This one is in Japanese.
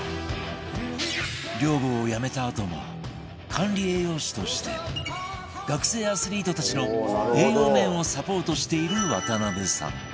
寮母をやめたあとも管理栄養士として学生アスリートたちの栄養面をサポートしている渡邊さん